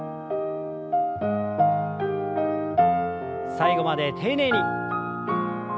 最後まで丁寧に。